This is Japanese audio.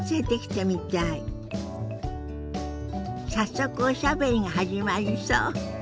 早速おしゃべりが始まりそう。